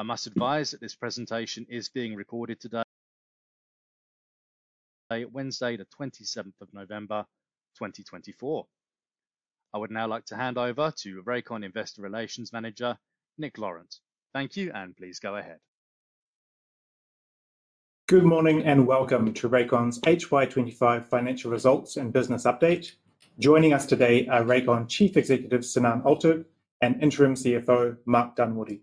I must advise that this presentation is being recorded today, Wednesday, the 27th of November, 2024. I would now like to hand over to Rakon Investor Relations Manager, Nick Laurent. Thank you, and please go ahead. Good morning and welcome to Rakon's HY 2025 Financial Results and Business Update. Joining us today are Rakon's Chief Executive, Sinan Altug and Interim CFO, Mark Dunwoodie.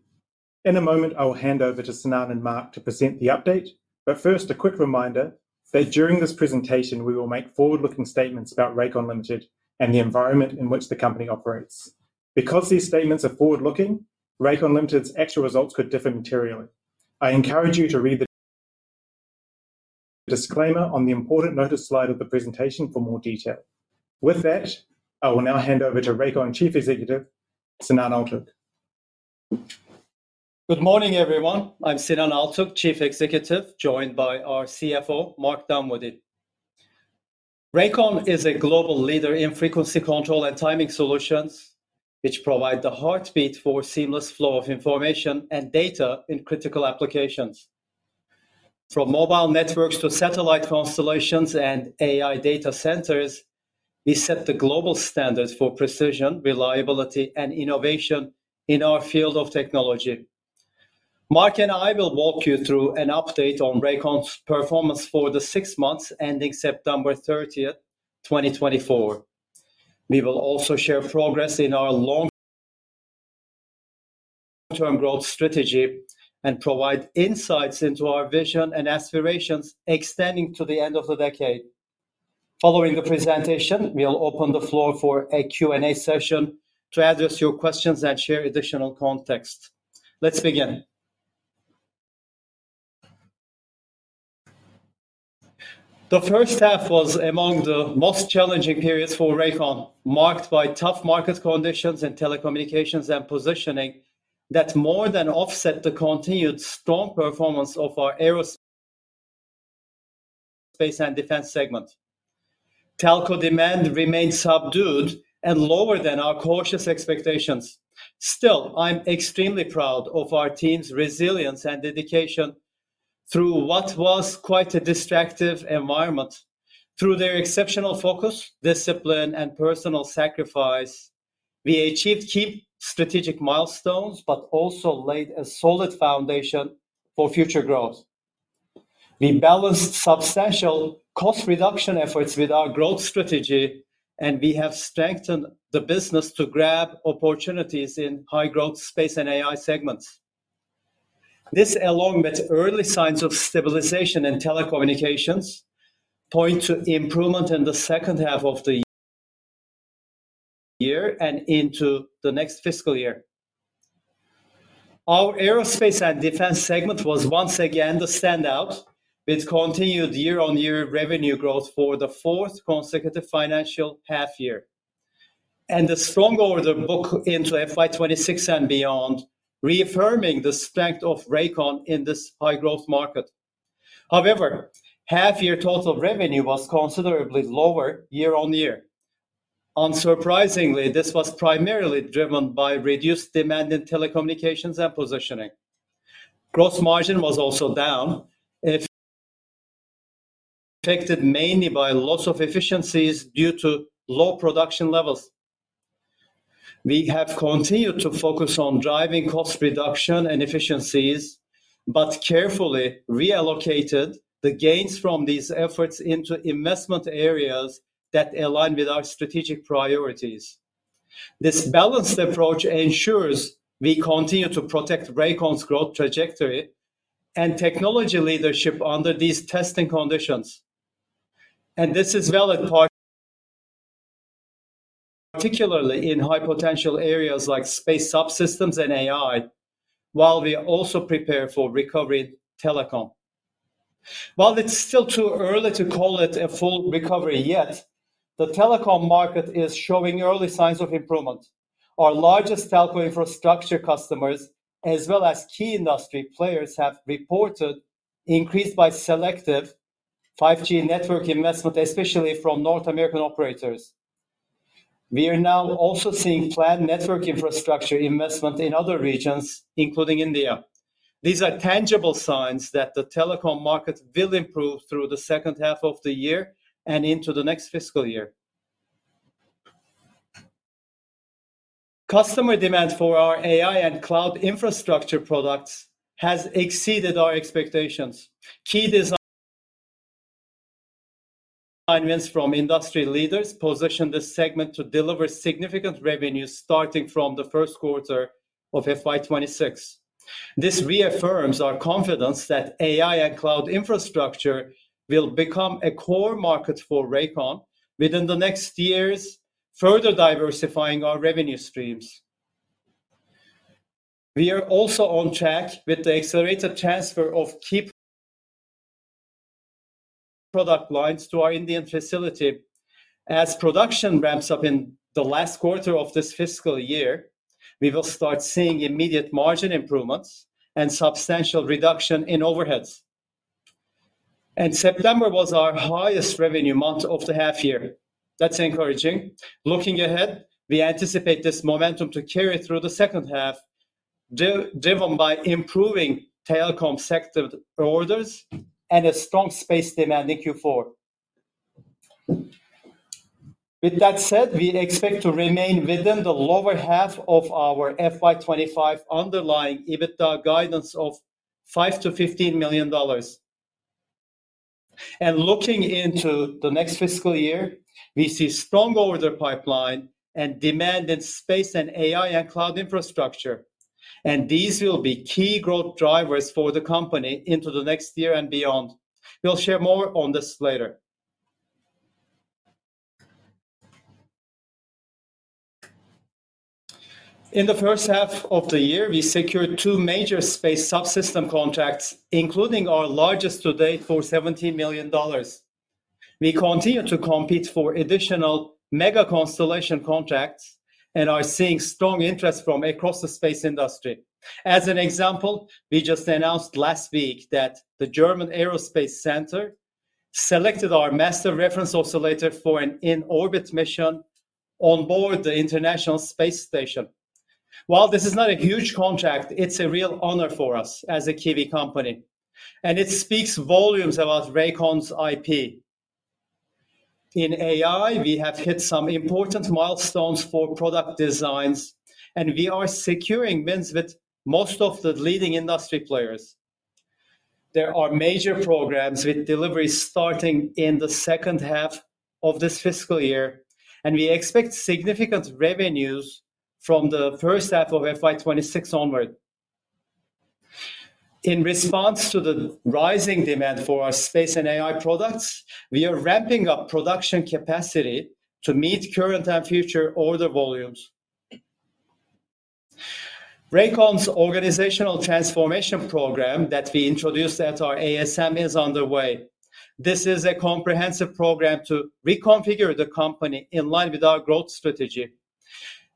In a moment, I will hand over to Sinan and Mark to present the update, but first, a quick reminder that during this presentation, we will make forward-looking statements about Rakon Limited and the environment in which the company operates. Because these statements are forward-looking, Rakon Limited's actual results could differ materially. I encourage you to read the disclaimer on the important notice slide of the presentation for more detail. With that, I will now hand over to Rakon's Chief Executive, Sinan Altug. Good morning, everyone. I'm Sinan Altug, Chief Executive, joined by our CFO, Mark Dunwoodie. Rakon is a global leader in frequency control and timing solutions, which provide the heartbeat for seamless flow of information and data in critical applications. From mobile networks to satellite constellations and AI data centers, we set the global standard for precision, reliability, and innovation in our field of technology. Mark and I will walk you through an update on Rakon's performance for the six months ending September 30th, 2024. We will also share progress in our long-term growth strategy and provide insights into our vision and aspirations extending to the end of the decade. Following the presentation, we'll open the floor for a Q&A session to address your questions and share additional context. Let's begin. The first half was among the most challenging periods for Rakon, marked by tough market conditions in telecommunications and positioning that more than offset the continued strong performance of our aerospace and defense segment. Telco demand remained subdued and lower than our cautious expectations. Still, I'm extremely proud of our team's resilience and dedication through what was quite a distracting environment. Through their exceptional focus, discipline, and personal sacrifice, we achieved key strategic milestones but also laid a solid foundation for future growth. We balanced substantial cost reduction efforts with our growth strategy, and we have strengthened the business to grab opportunities in high-growth space and AI segments. This, along with early signs of stabilization in telecommunications, points to improvement in the second half of the year and into the next fiscal year. Our aerospace and defense segment was once again the standout, with continued year-on-year revenue growth for the fourth consecutive financial half-year, and the strong order book into FY 2026 and beyond, reaffirming the strength of Rakon in this high-growth market. However, half-year total revenue was considerably lower year-on-year. Unsurprisingly, this was primarily driven by reduced demand in telecommunications and positioning. Gross margin was also down, affected mainly by loss of efficiencies due to low production levels. We have continued to focus on driving cost reduction and efficiencies but carefully reallocated the gains from these efforts into investment areas that align with our strategic priorities. This balanced approach ensures we continue to protect Rakon's growth trajectory and technology leadership under these testing conditions, and this is valid, particularly in high-potential areas like space subsystems and AI, while we also prepare for recovering telecom. While it's still too early to call it a full recovery yet, the telecom market is showing early signs of improvement. Our largest telco infrastructure customers, as well as key industry players, have reported increased but selective 5G network investment, especially from North American operators. We are now also seeing planned network infrastructure investment in other regions, including India. These are tangible signs that the telecom market will improve through the second half of the year and into the next fiscal year. Customer demand for our AI and cloud infrastructure products has exceeded our expectations. Key alignments from industry leaders positioned this segment to deliver significant revenue starting from the first quarter of FY 2026. This reaffirms our confidence that AI and cloud infrastructure will become a core market for Rakon within the next years, further diversifying our revenue streams. We are also on track with the accelerated transfer of key product lines to our Indian facility. As production ramps up in the last quarter of this fiscal year, we will start seeing immediate margin improvements and substantial reduction in overheads. And September was our highest revenue month of the half-year. That's encouraging. Looking ahead, we anticipate this momentum to carry through the second half, driven by improving telecom sector orders and a strong space demand in Q4. With that said, we expect to remain within the lower half of our FY 2025 underlying EBITDA guidance of $5 million-$15 million. And looking into the next fiscal year, we see a strong order pipeline and demand in space and AI and cloud infrastructure, and these will be key growth drivers for the company into the next year and beyond. We'll share more on this later. In the first half of the year, we secured two major space subsystem contracts, including our largest to date for $17 million. We continue to compete for additional mega constellation contracts and are seeing strong interest from across the space industry. As an example, we just announced last week that the German Aerospace Center selected our Master Reference Oscillator for an in-orbit mission onboard the International Space Station. While this is not a huge contract, it's a real honor for us as a Kiwi company, and it speaks volumes about Rakon's IP. In AI, we have hit some important milestones for product designs, and we are securing wins with most of the leading industry players. There are major programs with deliveries starting in the second half of this fiscal year, and we expect significant revenues from the first half of FY 2026 onward. In response to the rising demand for our space and AI products, we are ramping up production capacity to meet current and future order volumes. Rakon's organizational transformation program that we introduced at our ASM is underway. This is a comprehensive program to reconfigure the company in line with our growth strategy.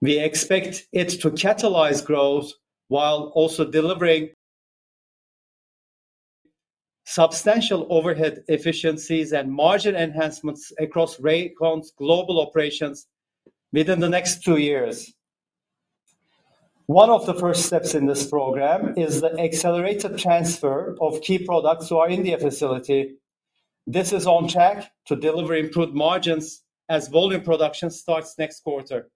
We expect it to catalyze growth while also delivering substantial overhead efficiencies and margin enhancements across Rakon's global operations within the next two years. One of the first steps in this program is the accelerated transfer of key products to our India facility. This is on track to deliver improved margins as volume production starts next quarter.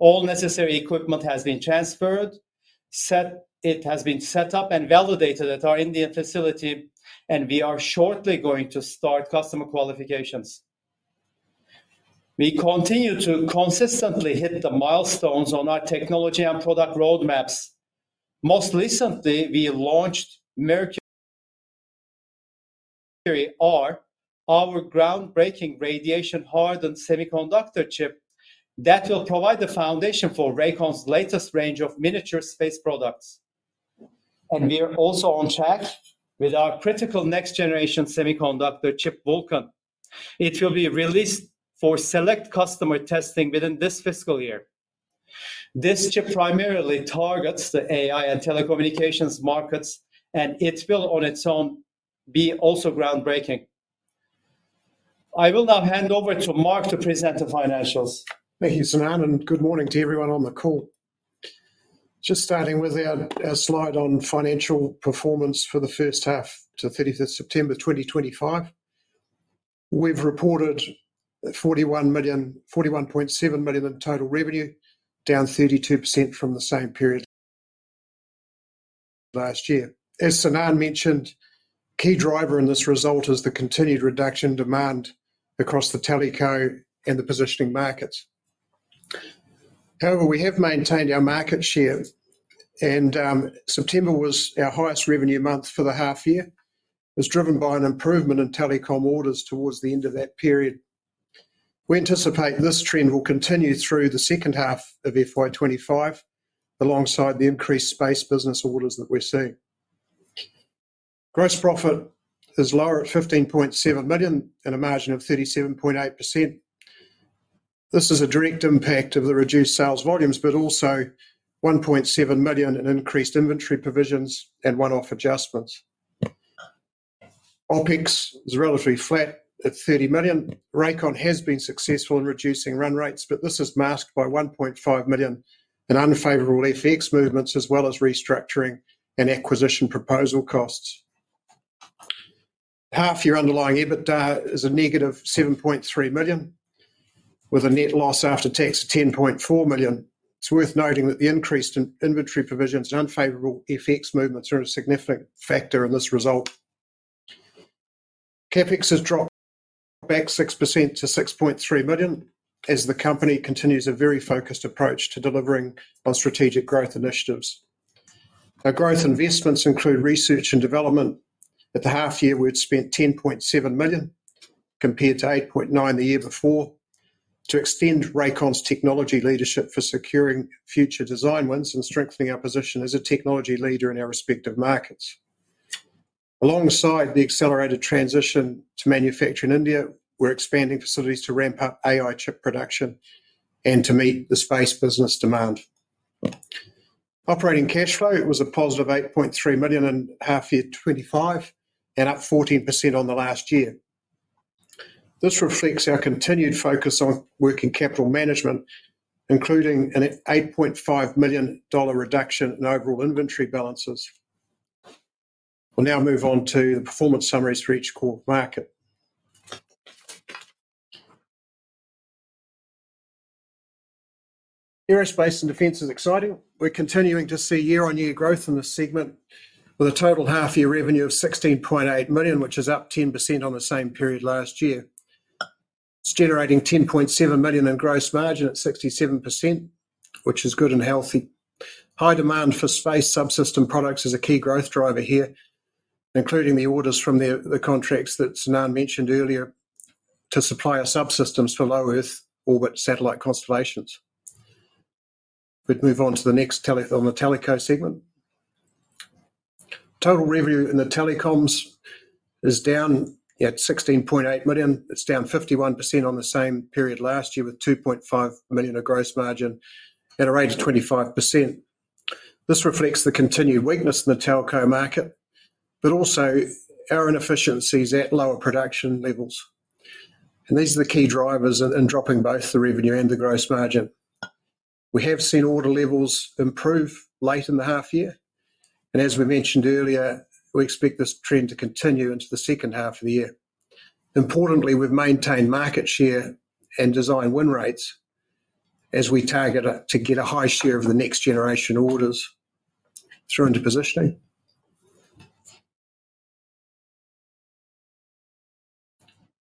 All necessary equipment has been transferred, set up, and validated at our Indian facility, and we are shortly going to start customer qualifications. We continue to consistently hit the milestones on our technology and product roadmaps. Most recently, we launched Mercury, our groundbreaking radiation-hardened semiconductor chip that will provide the foundation for Rakon's latest range of miniature space products. And we are also on track with our critical next-generation semiconductor chip, Vulcan. It will be released for select customer testing within this fiscal year. This chip primarily targets the AI and telecommunications markets, and it will, on its own, be also groundbreaking. I will now hand over to Mark to present the financials. Thank you, Sinan, and good morning to everyone on the call. Just starting with our slide on financial performance for the first half to 30th of September 2025, we've reported 41.7 million in total revenue, down 32% from the same period last year. As Sinan mentioned, a key driver in this result is the continued reduction in demand across the telco and the positioning markets. However, we have maintained our market share, and September was our highest revenue month for the half-year, was driven by an improvement in telecom orders towards the end of that period. We anticipate this trend will continue through the second half of FY 2025 alongside the increased space business orders that we're seeing. Gross profit is lower at 15.7 million and a margin of 37.8%. This is a direct impact of the reduced sales volumes, but also 1.7 million in increased inventory provisions and one-off adjustments. OpEx is relatively flat at 30 million. Rakon has been successful in reducing run rates, but this is masked by 1.5 million in unfavorable FX movements as well as restructuring and acquisition proposal costs. Half-year underlying EBITDA is a -7.3 million, with a net loss after tax of 10.4 million. It's worth noting that the increased inventory provisions and unfavorable FX movements are a significant factor in this result. CapEx has dropped back 6% to 6.3 million as the company continues a very focused approach to delivering on strategic growth initiatives. Our growth investments include research and development. At the half-year, we've spent 10.7 million compared to 8.9 million the year before to extend Rakon's technology leadership for securing future design wins and strengthening our position as a technology leader in our respective markets. Alongside the accelerated transition to manufacture in India, we're expanding facilities to ramp up AI chip production and to meet the space business demand. Operating cash flow was a +$8.3 million in half-year 2025 and up 14% on the last year. This reflects our continued focus on working capital management, including an $8.5 million reduction in overall inventory balances. We'll now move on to the performance summaries for each core market. Aerospace and defense is exciting. We're continuing to see year-on-year growth in the segment, with a total half-year revenue of $16.8 million, which is up 10% on the same period last year. It's generating $10.7 million in gross margin at 67%, which is good and healthy. High demand for space subsystem products is a key growth driver here, including the orders from the contracts that Sinan mentioned earlier to supply our subsystems Low-Earth Orbit satellite constellations. We'd move on to the next on the telco segment. Total revenue in the telecoms is down at 16.8 million. It's down 51% on the same period last year, with 2.5 million of gross margin at a rate of 25%. This reflects the continued weakness in the telco market, but also our inefficiencies at lower production levels. And these are the key drivers in dropping both the revenue and the gross margin. We have seen order levels improve late in the half-year, and as we mentioned earlier, we expect this trend to continue into the second half of the year. Importantly, we've maintained market share and design win rates as we target to get a high share of the next generation orders through into positioning.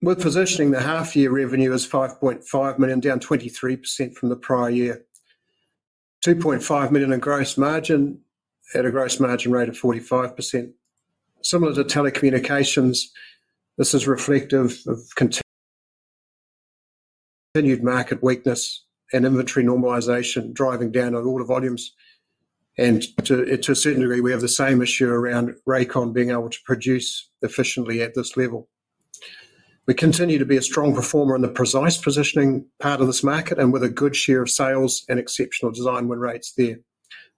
For positioning the half-year revenue as 5.5 million, down 23% from the prior year, 2.5 million in gross margin at a gross margin rate of 45%. Similar to telecommunications, this is reflective of continued market weakness and inventory normalization driving down on order volumes. And to a certain degree, we have the same issue around Rakon being able to produce efficiently at this level. We continue to be a strong performer in the precise positioning part of this market and with a good share of sales and exceptional design win rates there.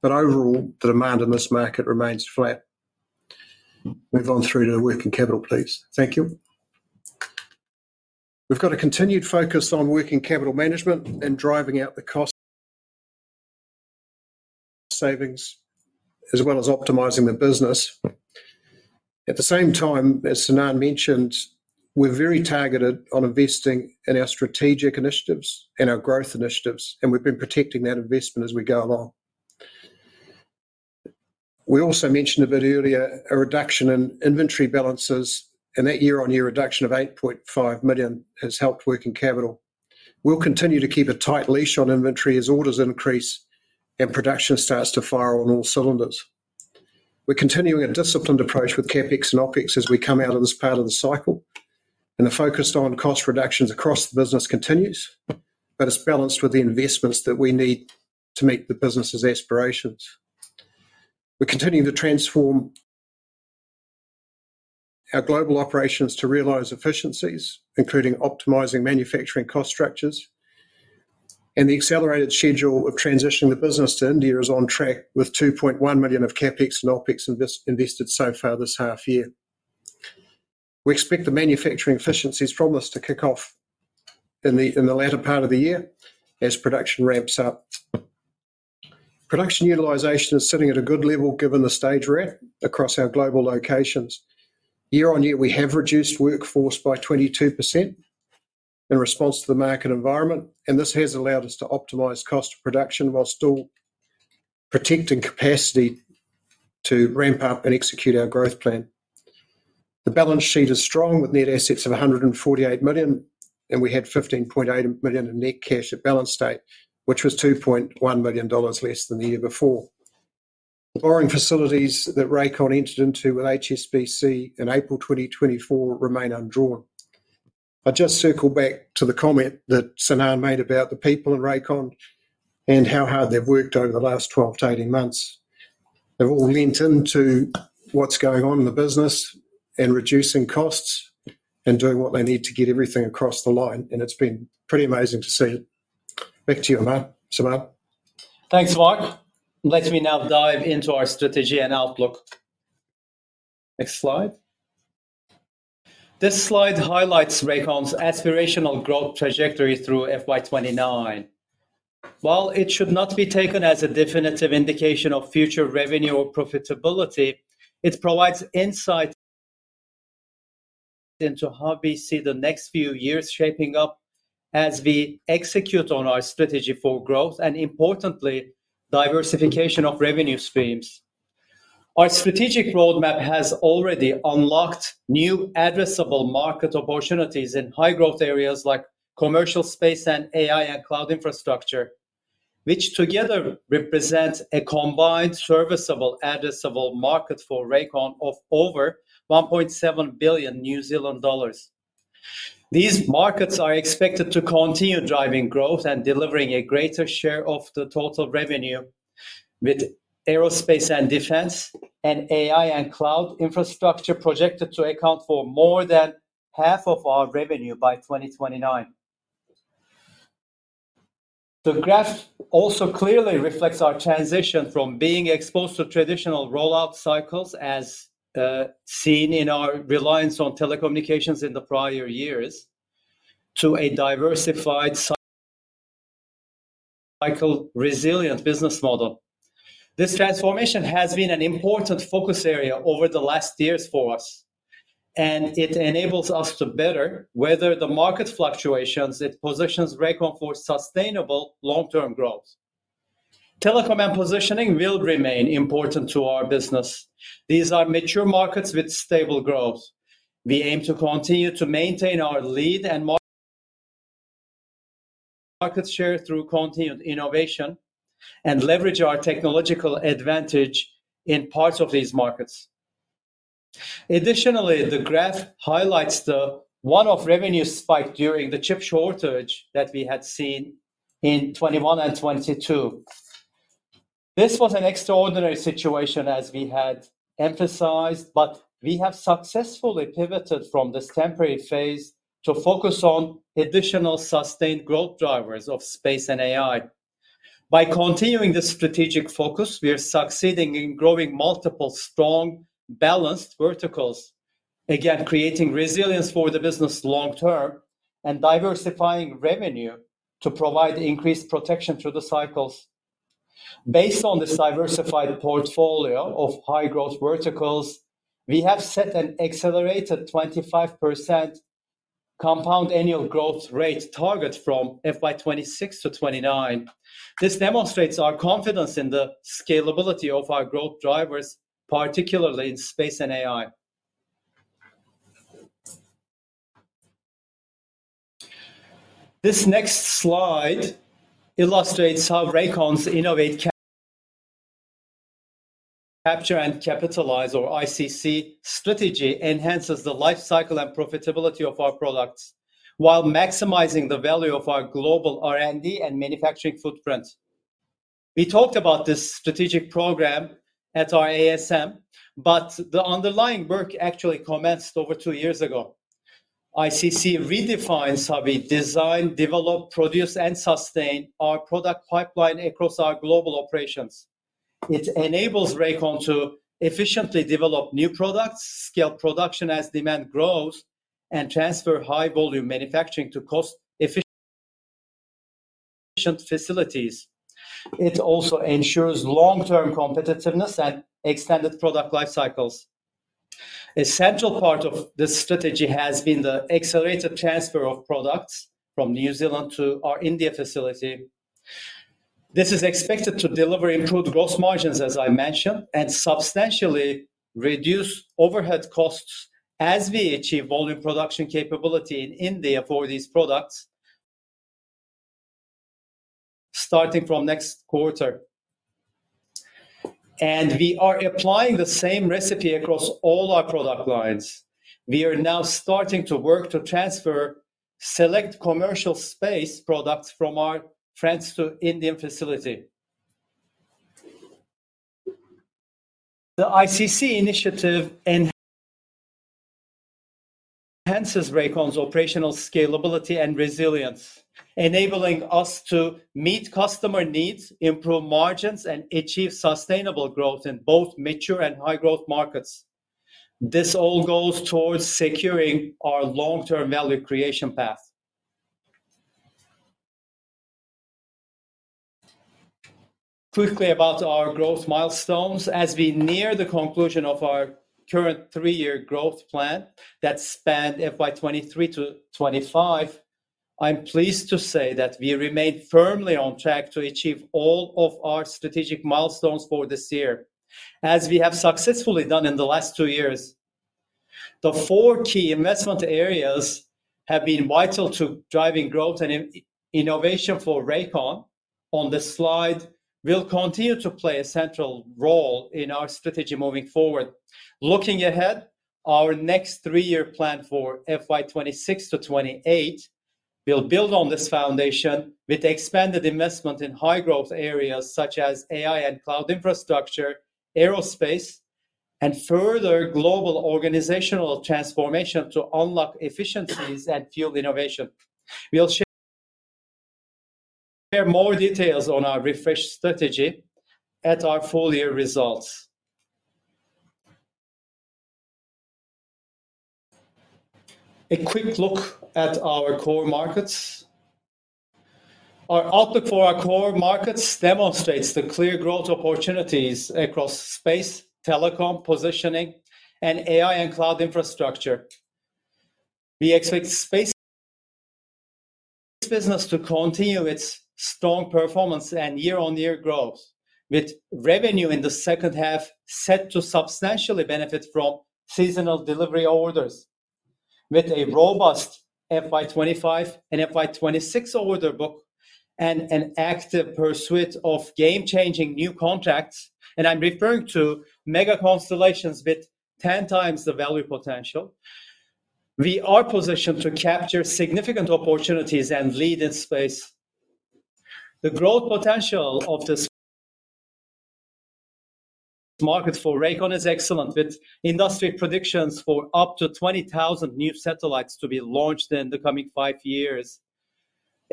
But overall, the demand in this market remains flat. Move on through to working capital, please. Thank you. We've got a continued focus on working capital management and driving out the cost savings, as well as optimizing the business. At the same time, as Sinan mentioned, we're very targeted on investing in our strategic initiatives and our growth initiatives, and we've been protecting that investment as we go along. We also mentioned a bit earlier a reduction in inventory balances, and that year-on-year reduction of 8.5 million has helped working capital. We'll continue to keep a tight leash on inventory as orders increase and production starts to fire on all cylinders. We're continuing a disciplined approach with CapEx and OpEx as we come out of this part of the cycle, and the focus on cost reductions across the business continues, but it's balanced with the investments that we need to meet the business's aspirations. We're continuing to transform our global operations to realize efficiencies, including optimizing manufacturing cost structures. The accelerated schedule of transitioning the business to India is on track with 2.1 million of CapEx and OpEx invested so far this half-year. We expect the manufacturing efficiencies from this to kick off in the latter part of the year as production ramps up. Production utilization is sitting at a good level given the stage we're at across our global locations. Year-on-year, we have reduced workforce by 22% in response to the market environment, and this has allowed us to optimize cost of production while still protecting capacity to ramp up and execute our growth plan. The balance sheet is strong with net assets of 148 million, and we had 15.8 million in net cash at balance sheet date, which was 2.1 million dollars less than the year before. Borrowing facilities that Rakon entered into with HSBC in April 2024 remain undrawn. I just circled back to the comment that Sinan made about the people in Rakon and how hard they've worked over the last 12-18 months. They've all leaned into what's going on in the business and reducing costs and doing what they need to get everything across the line. It's been pretty amazing to see it. Back to you, Sinan. Thanks, Mark. Let me now dive into our strategy and outlook. Next slide. This slide highlights Rakon's aspirational growth trajectory through FY 2029. While it should not be taken as a definitive indication of future revenue or profitability, it provides insight into how we see the next few years shaping up as we execute on our strategy for growth and, importantly, diversification of revenue streams. Our strategic roadmap has already unlocked new addressable market opportunities in high-growth areas like commercial space and AI and cloud infrastructure, which together represent a combined serviceable addressable market for Rakon of over 1.7 billion New Zealand dollars. These markets are expected to continue driving growth and delivering a greater share of the total revenue, with aerospace and defense and AI and cloud infrastructure projected to account for more than half of our revenue by 2029. The graph also clearly reflects our transition from being exposed to traditional rollout cycles, as seen in our reliance on telecommunications in the prior years, to a diversified cycle-resilient business model. This transformation has been an important focus area over the last years for us, and it enables us to better weather the market fluctuations that positions Rakon for sustainable long-term growth. Telecom and positioning will remain important to our business. These are mature markets with stable growth. We aim to continue to maintain our lead and market share through continued innovation and leverage our technological advantage in parts of these markets. Additionally, the graph highlights the one-off revenue spike during the chip shortage that we had seen in 2021 and 2022. This was an extraordinary situation, as we had emphasized, but we have successfully pivoted from this temporary phase to focus on additional sustained growth drivers of space and AI. By continuing this strategic focus, we are succeeding in growing multiple strong, balanced verticals, again creating resilience for the business long-term and diversifying revenue to provide increased protection through the cycles. Based on this diversified portfolio of high-growth verticals, we have set an accelerated 25% compound annual growth rate target from FY 2026 to 2029. This demonstrates our confidence in the scalability of our growth drivers, particularly in space and AI. This next slide illustrates how Rakon's Innovate, Capture, and Capitalise or ICC strategy, enhances the lifecycle and profitability of our products while maximizing the value of our global R&D and manufacturing footprint. We talked about this strategic program at our ASM, but the underlying work actually commenced over two years ago. ICC redefines how we design, develop, produce, and sustain our product pipeline across our global operations. It enables Rakon to efficiently develop new products, scale production as demand grows, and transfer high-volume manufacturing to cost-efficient facilities. It also ensures long-term competitiveness and extended product lifecycles. A central part of this strategy has been the accelerated transfer of products from New Zealand to our India facility. This is expected to deliver improved gross margins, as I mentioned, and substantially reduce overhead costs as we achieve volume production capability in India for these products starting from next quarter. And we are applying the same recipe across all our product lines. We are now starting to work to transfer select commercial space products from our France facility to India facility. The ICC initiative enhances Rakon's operational scalability and resilience, enabling us to meet customer needs, improve margins, and achieve sustainable growth in both mature and high-growth markets. This all goes towards securing our long-term value creation path. Quickly about our growth milestones. As we near the conclusion of our current three-year growth plan that spanned FY 2023 to 2025, I'm pleased to say that we remain firmly on track to achieve all of our strategic milestones for this year, as we have successfully done in the last two years. The four key investment areas have been vital to driving growth and innovation for Rakon. On this slide, we'll continue to play a central role in our strategy moving forward. Looking ahead, our next three-year plan for FY 2026 to 2028 will build on this foundation with expanded investment in high-growth areas such as AI and cloud infrastructure, aerospace, and further global organizational transformation to unlock efficiencies and field innovation. We'll share more details on our refreshed strategy at our full-year results. A quick look at our core markets. Our outlook for our core markets demonstrates the clear growth opportunities across space, telecom, positioning, and AI and cloud infrastructure. We expect space business to continue its strong performance and year-on-year growth, with revenue in the second half set to substantially benefit from seasonal delivery orders. With a robust FY 2025 and FY 2026 order book and an active pursuit of game-changing new contracts, and I'm referring to mega constellations with 10 times the value potential, we are positioned to capture significant opportunities and lead in space. The growth potential of the market for Rakon is excellent, with industry predictions for up to 20,000 new satellites to be launched in the coming five years.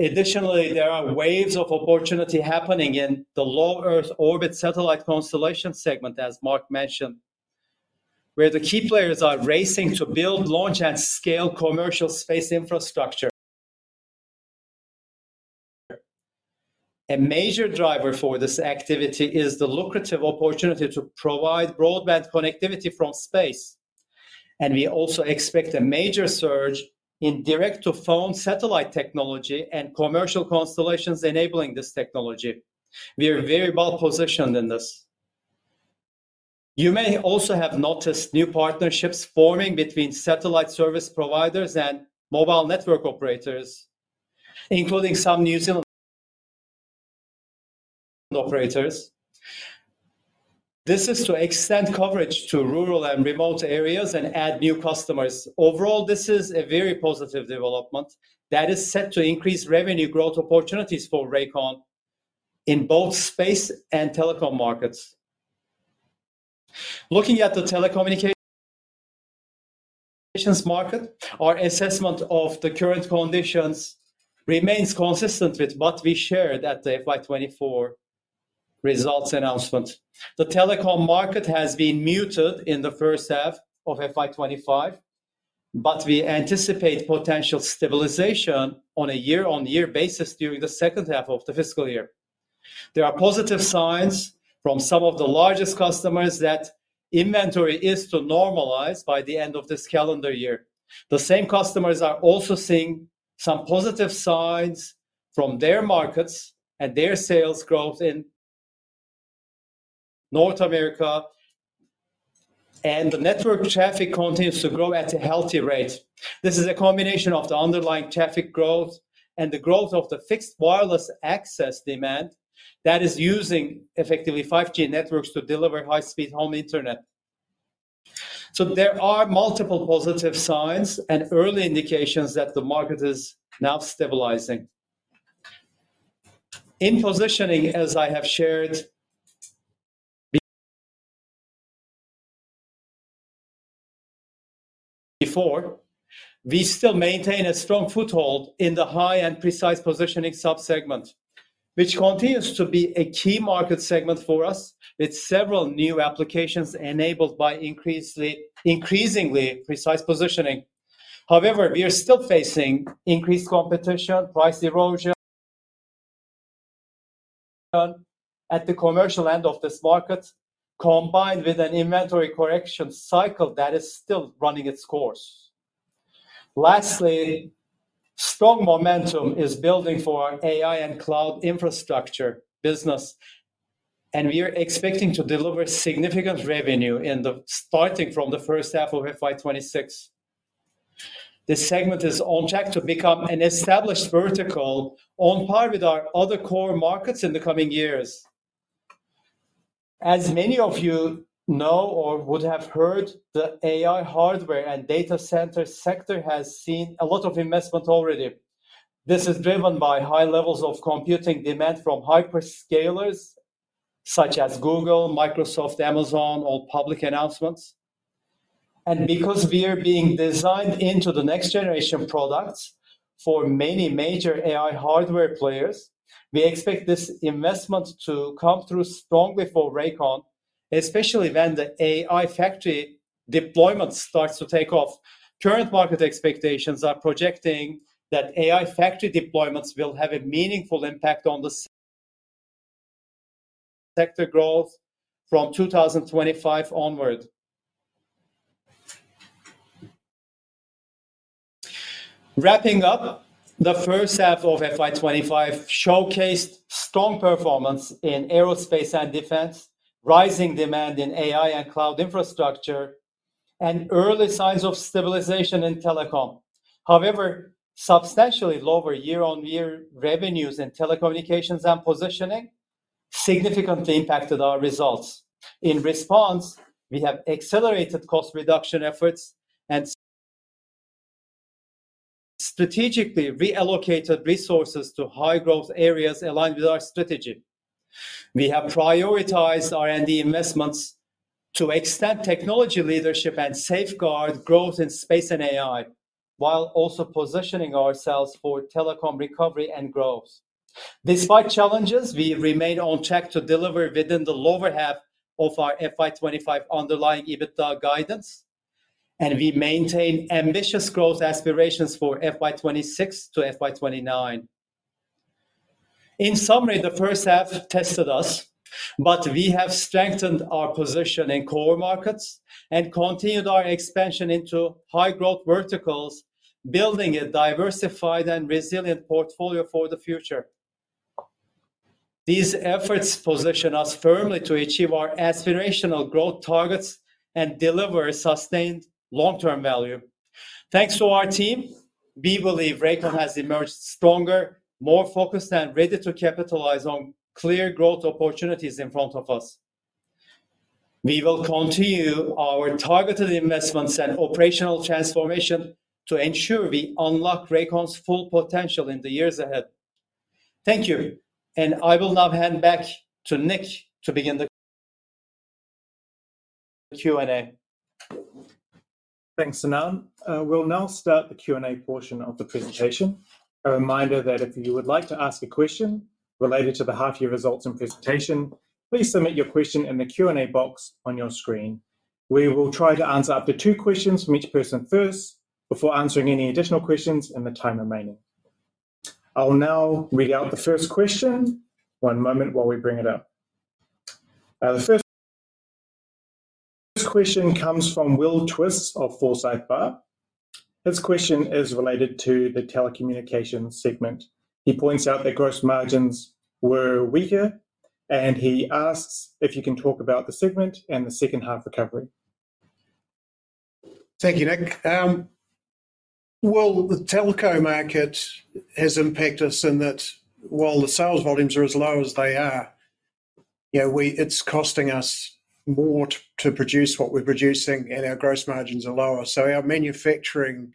Additionally, there are waves of opportunity happening in Low-Earth Orbit satellite constellation segment, as Mark mentioned, where the key players are racing to build, launch, and scale commercial space infrastructure. A major driver for this activity is the lucrative opportunity to provide broadband connectivity from space, and we also expect a major surge in Direct-to-Phone satellite technology and commercial constellations enabling this technology. We are very well positioned in this. You may also have noticed new partnerships forming between satellite service providers and mobile network operators, including some New Zealand operators. This is to extend coverage to rural and remote areas and add new customers. Overall, this is a very positive development that is set to increase revenue growth opportunities for Rakon in both space and telecom markets. Looking at the telecommunications market, our assessment of the current conditions remains consistent with what we shared at the FY 2024 results announcement. The telecom market has been muted in the first half of FY 2025, but we anticipate potential stabilization on a year-on-year basis during the second half of the fiscal year. There are positive signs from some of the largest customers that inventory is to normalize by the end of this calendar year. The same customers are also seeing some positive signs from their markets and their sales growth in North America, and the network traffic continues to grow at a healthy rate. This is a combination of the underlying traffic growth and the growth of the fixed wireless access demand that is using effectively 5G networks to deliver high-speed home internet. So there are multiple positive signs and early indications that the market is now stabilizing. In positioning, as I have shared before, we still maintain a strong foothold in the high and precise positioning subsegment, which continues to be a key market segment for us with several new applications enabled by increasingly precise positioning. However, we are still facing increased competition, price erosion at the commercial end of this market, combined with an inventory correction cycle that is still running its course. Lastly, strong momentum is building for our AI and cloud infrastructure business, and we are expecting to deliver significant revenue starting from the first half of FY 2026. This segment is on track to become an established vertical on par with our other core markets in the coming years. As many of you know or would have heard, the AI hardware and data center sector has seen a lot of investment already. This is driven by high levels of computing demand from hyperscalers such as Google, Microsoft, Amazon, all public announcements, and because we are being designed into the next generation products for many major AI hardware players, we expect this investment to come through strongly for Rakon, especially when the AI factory deployment starts to take off. Current market expectations are projecting that AI factory deployments will have a meaningful impact on the sector growth from 2025 onward. Wrapping up, the first half of FY 2025 showcased strong performance in aerospace and defense, rising demand in AI and cloud infrastructure, and early signs of stabilization in telecom. However, substantially lower year-over-year revenues in telecommunications and positioning significantly impacted our results. In response, we have accelerated cost reduction efforts and strategically reallocated resources to high-growth areas aligned with our strategy. We have prioritized R&D investments to extend technology leadership and safeguard growth in space and AI, while also positioning ourselves for telecom recovery and growth. Despite challenges, we remain on track to deliver within the lower half of our FY 2025 underlying EBITDA guidance, and we maintain ambitious growth aspirations for FY 2026 to FY 2029. In summary, the first half tested us, but we have strengthened our position in core markets and continued our expansion into high-growth verticals, building a diversified and resilient portfolio for the future. These efforts position us firmly to achieve our aspirational growth targets and deliver sustained long-term value. Thanks to our team, we believe Rakon has emerged stronger, more focused, and ready to capitalize on clear growth opportunities in front of us. We will continue our targeted investments and operational transformation to ensure we unlock Rakon's full potential in the years ahead. Thank you, and I will now hand back to Nick to begin the Q&A. Thanks, Sinan. We'll now start the Q&A portion of the presentation. A reminder that if you would like to ask a question related to the half-year results and presentation, please submit your question in the Q&A box on your screen. We will try to answer up to two questions from each person first before answering any additional questions in the time remaining. I'll now read out the first question. One moment while we bring it up. The first question comes from Will Twiss of Forsyth Barr. His question is related to the telecommunication segment. He points out that gross margins were weaker, and he asks if you can talk about the segment and the second half recovery. Thank you, Nick. The telco market has impacted us in that while the sales volumes are as low as they are, it's costing us more to produce what we're producing, and our gross margins are lower. So our manufacturing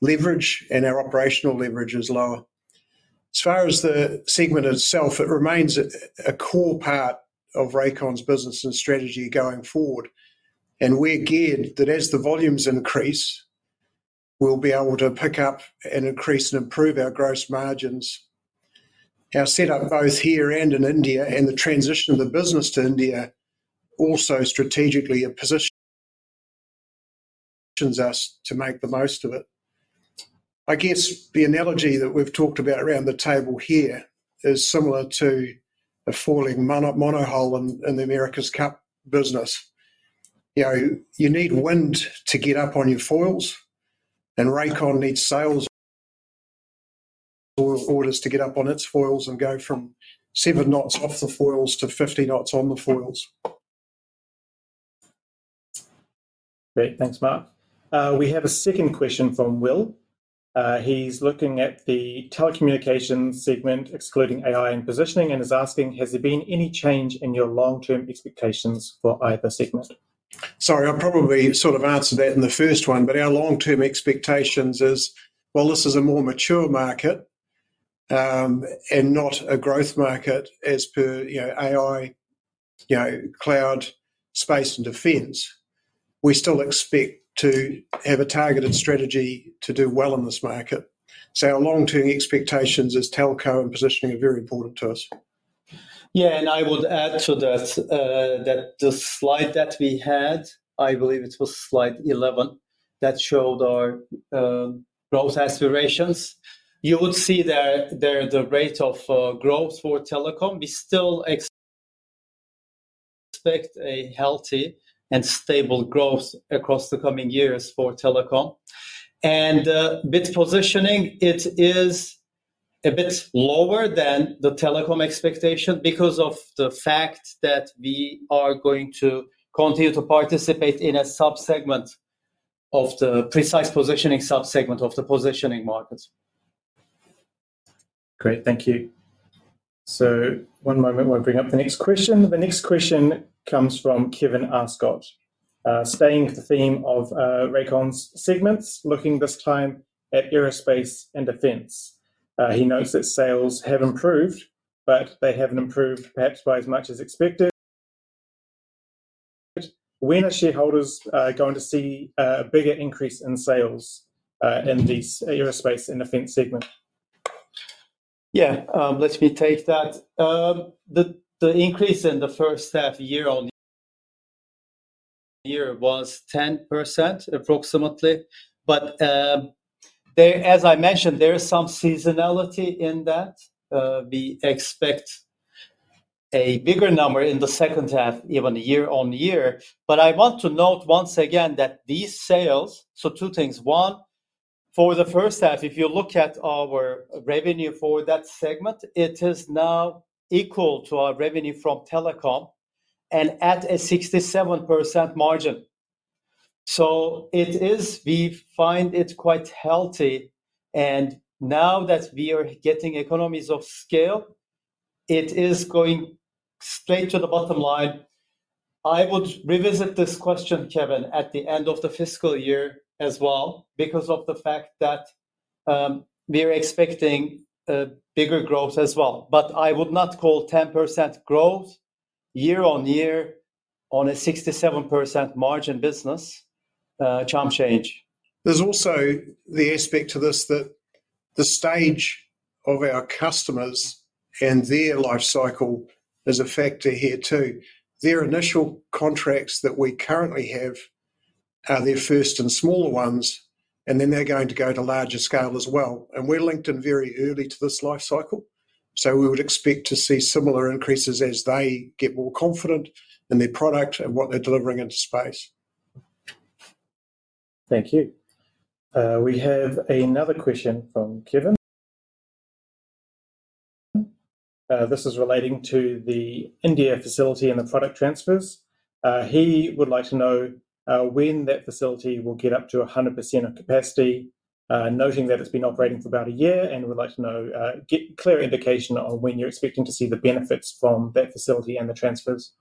leverage and our operational leverage is lower. As far as the segment itself, it remains a core part of Rakon's business and strategy going forward. We're geared that as the volumes increase, we'll be able to pick up and increase and improve our gross margins. Our setup both here and in India and the transition of the business to India also strategically positions us to make the most of it. I guess the analogy that we've talked about around the table here is similar to a flying monohull in the America's Cup business. You need wind to get up on your foils, and Rakon needs sales orders to get up on its foils and go from seven knots off the foils to 50 knots on the foils. Great. Thanks, Mark. We have a second question from Will. He's looking at the telecommunication segment, excluding AI and positioning, and is asking, has there been any change in your long-term expectations for either segment? Sorry, I probably sort of answered that in the first one, but our long-term expectations is, while this is a more mature market and not a growth market as per AI, cloud, space, and defense, we still expect to have a targeted strategy to do well in this market. So our long-term expectations as telco and positioning are very important to us. Yeah, and I would add to that that the slide that we had, I believe it was slide 11, that showed our growth aspirations. You would see there the rate of growth for telecom. We still expect a healthy and stable growth across the coming years for telecom. And with positioning, it is a bit lower than the telecom expectation because of the fact that we are going to continue to participate in a subsegment of the precise positioning subsegment of the positioning market. Great. Thank you. So one moment while I bring up the next question. The next question comes from Kevin Arscott, staying with the theme of Rakon's segments, looking this time at aerospace and defense. He notes that sales have improved, but they haven't improved perhaps by as much as expected. When are shareholders going to see a bigger increase in sales in the aerospace and defense segment? Yeah, let me take that. The increase in the first half year-on-year was 10% approximately. But as I mentioned, there is some seasonality in that. We expect a bigger number in the second half, even year-on-year. But I want to note once again that these sales. So two things. One, for the first half, if you look at our revenue for that segment, it is now equal to our revenue from telecom and at a 67% margin. So we find it quite healthy. And now that we are getting economies of scale, it is going straight to the bottom line. I would revisit this question, Kevin, at the end of the fiscal year as well because of the fact that we are expecting a bigger growth as well. But I would not call 10% growth year-on-year on a 67% margin business, sea change. There's also the aspect to this that the stage of our customers and their life cycle is a factor here too. Their initial contracts that we currently have are their first and smaller ones, and then they're going to go to larger scale as well. And we're linked in very early to this life cycle. So we would expect to see similar increases as they get more confident in their product and what they're delivering into space. Thank you. We have another question from Kevin. This is relating to the India facility and the product transfers. He would like to know when that facility will get up to 100% capacity, noting that it's been operating for about a year and would like to know clear indication on when you're expecting to see the benefits from that facility and the transfers.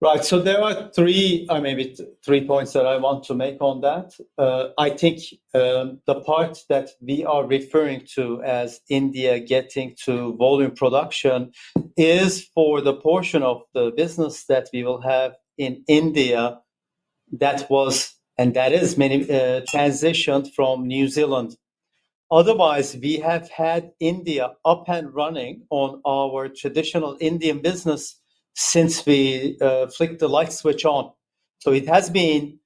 Right. So there are three, maybe three points that I want to make on that. I think the part that we are referring to as India getting to volume production is for the portion of the business that we will have in India that was and that is transitioned from New Zealand. Otherwise, we have had India up and running on our traditional Indian business since we flicked the light switch on. So it has been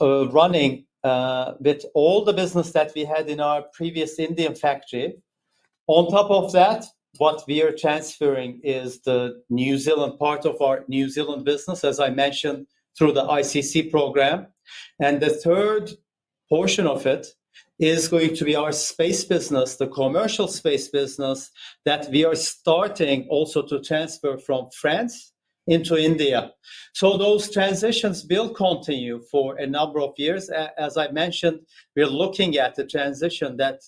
running with all the business that we had in our previous Indian factory. On top of that, what we are transferring is the New Zealand part of our New Zealand business, as I mentioned, through the ICC program, and the third portion of it is going to be our space business, the commercial space business that we are starting also to transfer from France into India, so those transitions will continue for a number of years. As I mentioned, we're looking at the transition that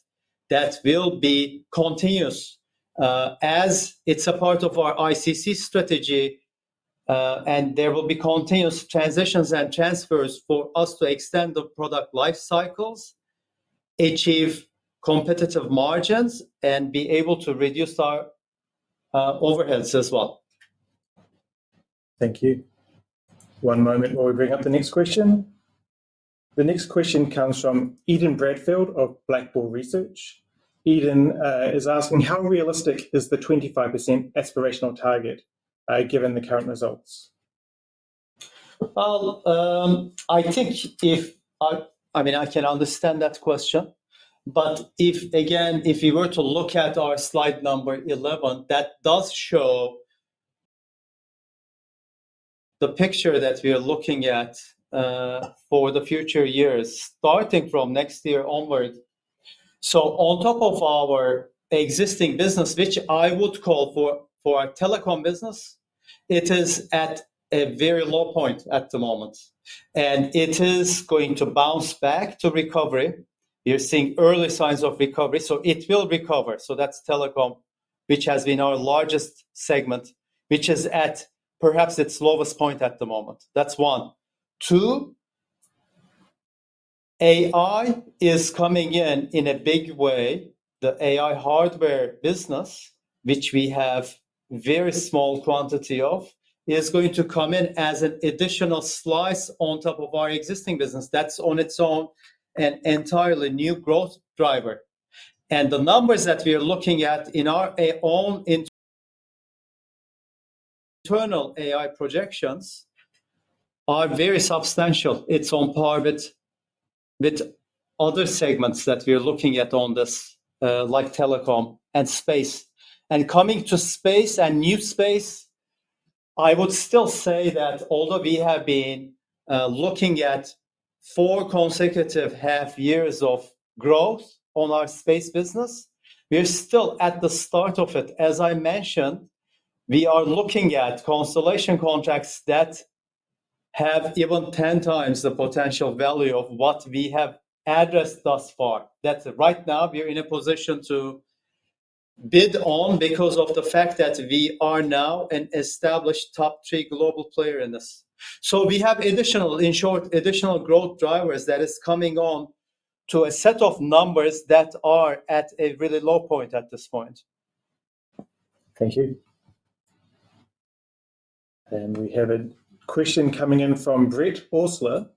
will be continuous as it's a part of our ICC strategy, and there will be continuous transitions and transfers for us to extend the product life cycles, achieve competitive margins, and be able to reduce our overheads as well. Thank you. One moment while we bring up the next question. The next question comes from Eden Bradfield of BlackBull Research. Eden is asking, how realistic is the 25% aspirational target given the current results? I think, I mean, I can understand that question, but again, if we were to look at our slide number 11, that does show the picture that we are looking at for the future years starting from next year onward, so on top of our existing business, which I would call for our telecom business, it is at a very low point at the moment, and it is going to bounce back to recovery, you're seeing early signs of recovery, so it will recover, so that's telecom, which has been our largest segment, which is at perhaps its lowest point at the moment. That's one. Two, AI is coming in in a big way. The AI hardware business, which we have a very small quantity of, is going to come in as an additional slice on top of our existing business. That's on its own an entirely new growth driver. And the numbers that we are looking at in our own internal AI projections are very substantial. It's on par with other segments that we are looking at on this, like telecom and space. And coming to space and new space, I would still say that although we have been looking at four consecutive half years of growth on our space business, we are still at the start of it. As I mentioned, we are looking at constellation contracts that have even 10x the potential value of what we have addressed thus far. That right now, we are in a position to bid on because of the fact that we are now an established top three global player in this. So we have additional, in short, additional growth drivers that are coming on to a set of numbers that are at a really low point at this point. Thank you. And we have a question coming in from Brett Horsler.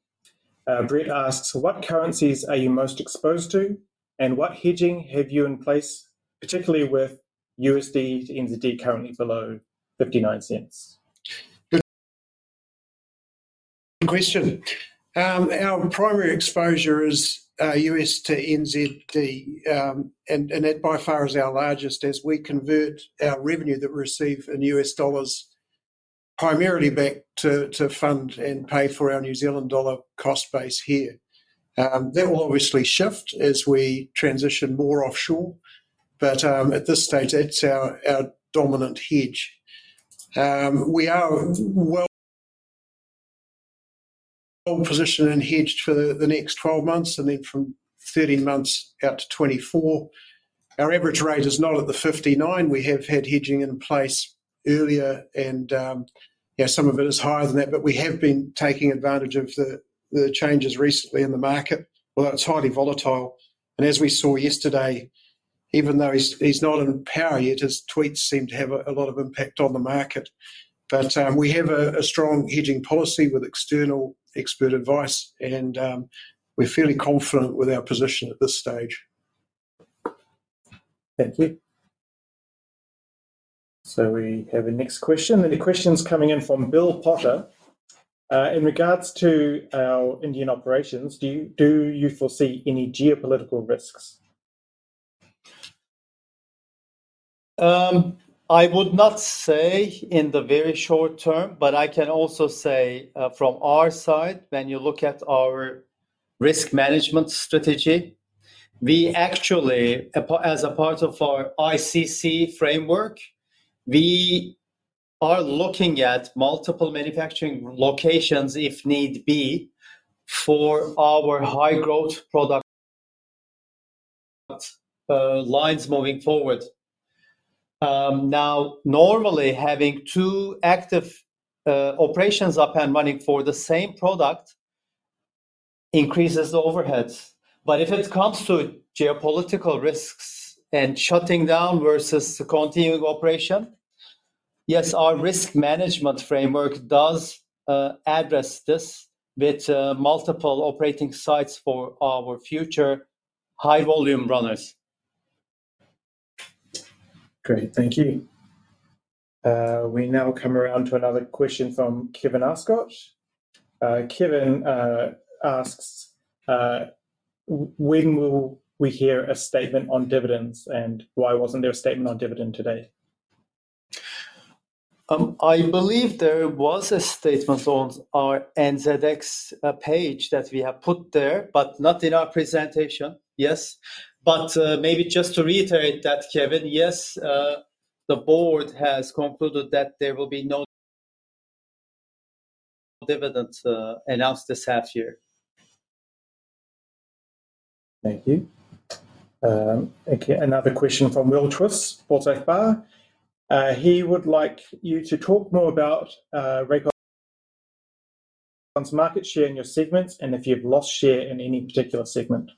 Brett asks, what currencies are you most exposed to, and what hedging have you in place, particularly with USD to NZD currently below $0.59? Good question. Our primary exposure is USD to NZD, and that by far is our largest as we convert our revenue that we receive in U.S. dollars primarily back to fund and pay for our New Zealand dollar cost base here. That will obviously shift as we transition more offshore. But at this stage, that's our dominant hedge. We are well positioned and hedged for the next 12 months and then from 13 months out to 24. Our average rate is not at the $0.59. We have had hedging in place earlier, and some of it is higher than that. But we have been taking advantage of the changes recently in the market, although it's highly volatile. And as we saw yesterday, even though he's not in power yet, his tweets seem to have a lot of impact on the market. But we have a strong hedging policy with external expert advice, and we're fairly confident with our position at this stage. Thank you. So we have a next question. The question's coming in from Bill Potter. In regards to our Indian operations, do you foresee any geopolitical risks? I would not say in the very short term, but I can also say from our side, when you look at our risk management strategy, we actually, as a part of our ICC framework, we are looking at multiple manufacturing locations if need be for our high-growth product lines moving forward. Now, normally, having two active operations up and running for the same product increases the overheads. But if it comes to geopolitical risks and shutting down versus continuing operation, yes, our risk management framework does address this with multiple operating sites for our future high-volume runners. Great. Thank you. We now come around to another question from Kevin Arscott. Kevin asks, when will we hear a statement on dividends? And why wasn't there a statement on dividend today? I believe there was a statement on our NZX page that we have put there, but not in our presentation, yes. But maybe just to reiterate that, Kevin, yes, the board has concluded that there will be no dividends announced this half year. Thank you. Another question from Will Twiss from Forsyth Barr. He would like you to talk more about market share in your segments and if you've lost share in any particular segment.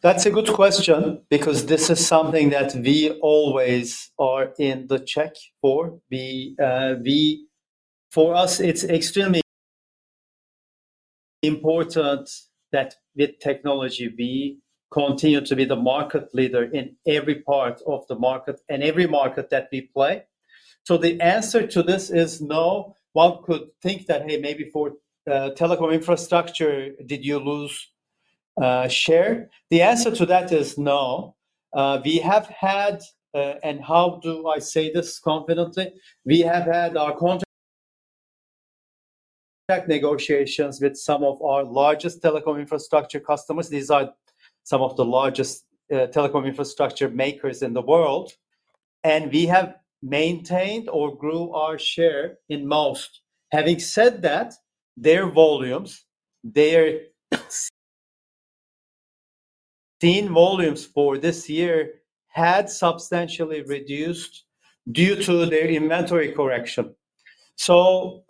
That's a good question because this is something that we always are in the check for. For us, it's extremely important that with technology, we continue to be the market leader in every part of the market and every market that we play. So the answer to this is no. One could think that, hey, maybe for telecom infrastructure, did you lose share? The answer to that is no. We have had, and how do I say this confidently? We have had our contract negotiations with some of our largest telecom infrastructure customers. These are some of the largest telecom infrastructure makers in the world. And we have maintained or grew our share in most. Having said that, their foreseen volumes for this year had substantially reduced due to their inventory correction. So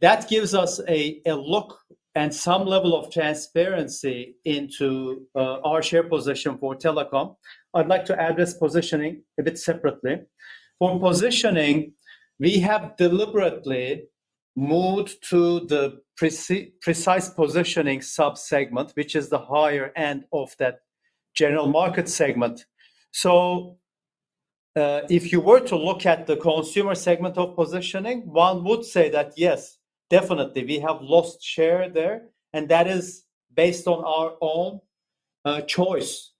that gives us a look and some level of transparency into our share position for telecom. I'd like to address positioning a bit separately. For positioning, we have deliberately moved to the precise positioning subsegment, which is the higher end of that general market segment. So if you were to look at the consumer segment of positioning, one would say that, yes, definitely, we have lost share there. That is based on our own choice,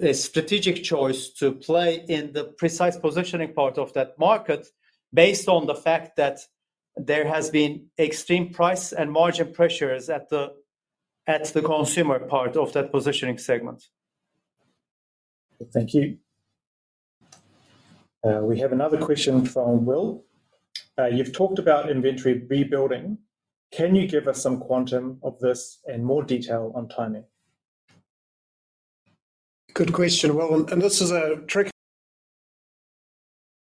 a strategic choice to play in the precise positioning part of that market based on the fact that there has been extreme price and margin pressures at the consumer part of that positioning segment. Thank you. We have another question from Will. You've talked about inventory rebuilding. Can you give us some quantum of this and more detail on timing? Good question. And this is a tricky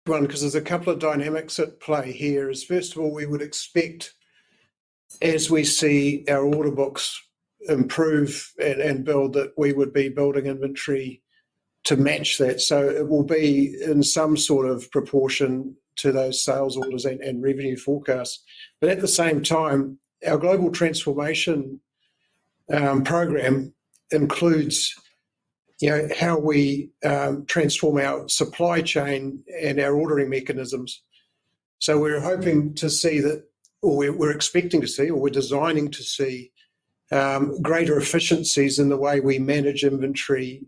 one because there's a couple of dynamics at play here. First of all, we would expect, as we see our order books improve and build, that we would be building inventory to match that. So it will be in some sort of proportion to those sales orders and revenue forecasts. But at the same time, our global transformation program includes how we transform our supply chain and our ordering mechanisms. We're hoping to see that, or we're expecting to see, or we're designing to see greater efficiencies in the way we manage inventory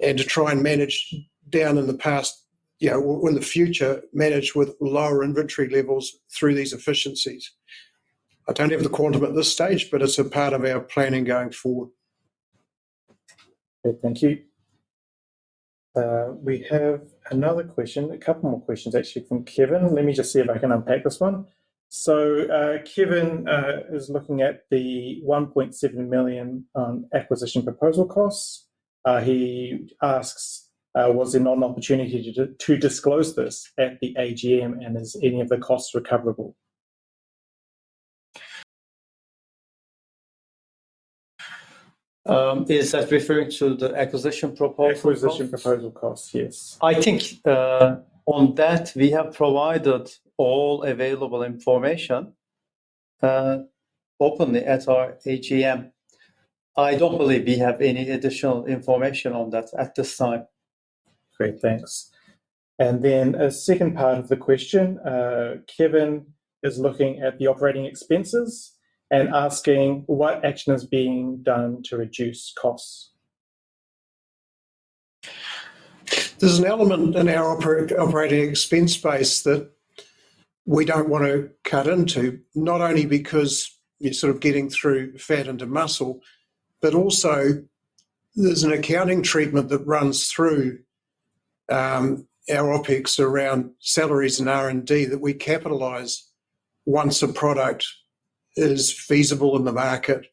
and to try and manage down in the past or in the future, manage with lower inventory levels through these efficiencies. I don't have the quantum at this stage, but it's a part of our planning going forward. Thank you. We have another question, a couple more questions, actually, from Kevin. Let me just see if I can unpack this one. So Kevin is looking at the 1.7 million acquisition proposal costs. He asks, was there not an opportunity to disclose this at the AGM, and is any of the costs recoverable? Yes, that's referring to the acquisition proposal. Acquisition proposal costs, yes. I think on that, we have provided all available information openly at our AGM. I don't believe we have any additional information on that at this time. Great. Thanks. And then a second part of the question, Kevin is looking at the operating expenses and asking what action is being done to reduce costs. There's an element in our operating expense base that we don't want to cut into, not only because you're sort of getting through fat and muscle, but also there's an accounting treatment that runs through our OpEx around salaries and R&D that we capitalize once a product is feasible in the market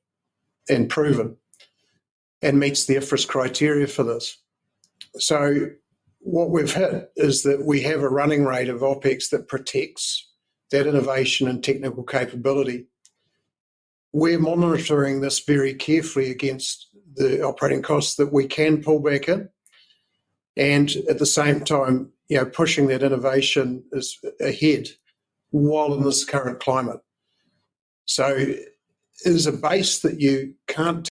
and proven and meets the IFRS criteria for this. So what we've had is that we have a running rate of OpEx that protects that innovation and technical capability. We're monitoring this very carefully against the operating costs that we can pull back in and at the same time pushing that innovation ahead while in this current climate. It is a base that you can't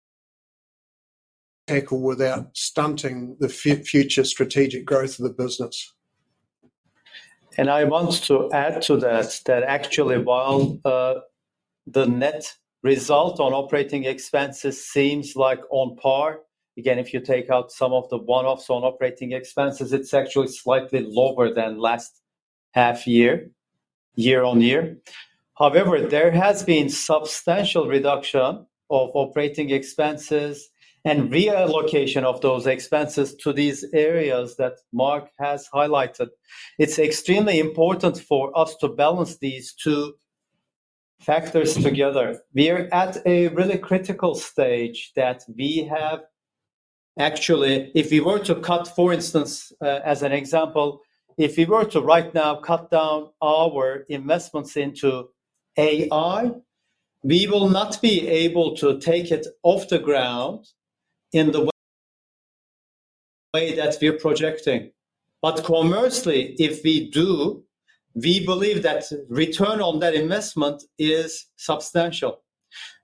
tackle without stunting the future strategic growth of the business. I want to add to that that actually while the net result on operating expenses seems like on par, again, if you take out some of the one-offs on operating expenses, it's actually slightly lower than last half year, year-on-year. However, there has been substantial reduction of operating expenses and reallocation of those expenses to these areas that Mark has highlighted. It's extremely important for us to balance these two factors together. We are at a really critical stage that we have actually, if we were to cut, for instance, as an example, if we were to right now cut down our investments into AI, we will not be able to take it off the ground in the way that we're projecting. But conversely, if we do, we believe that return on that investment is substantial.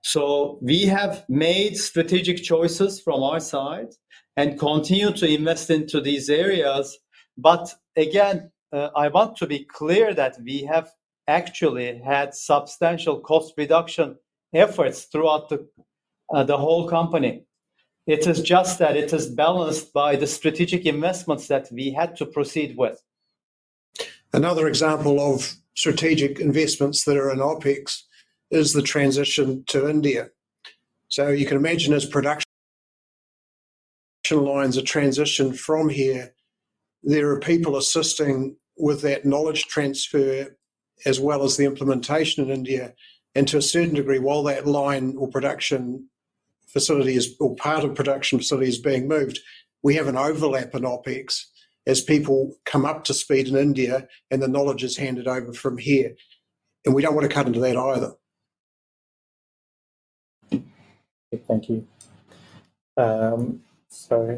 So we have made strategic choices from our side and continue to invest into these areas. But again, I want to be clear that we have actually had substantial cost reduction efforts throughout the whole company. It is just that it is balanced by the strategic investments that we had to proceed with. Another example of strategic investments that are in OpEx is the transition to India. So you can imagine as production lines are transitioned from here, there are people assisting with that knowledge transfer as well as the implementation in India. And to a certain degree, while that line or production facility or part of production facility is being moved, we have an overlap in OpEx as people come up to speed in India and the knowledge is handed over from here. And we don't want to cut into that either. Thank you. So.